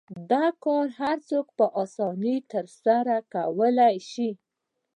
دا کار هر څوک په اسانۍ سره کولای شي.